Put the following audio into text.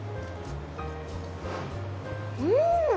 うん！